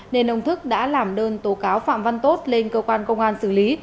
nên ông thức đã làm đơn tố cáo phạm văn tốt lên cơ quan công an xử lý